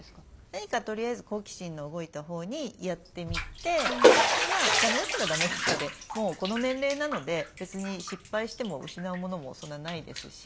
何かとりあえず好奇心の動いたほうにやってみてまあだめだったらだめだったでもうこの年齢なので別に失敗しても失うものもそんなないですし。